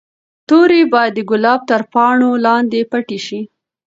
توري باید د ګلاب تر پاڼو لاندې پټې شي.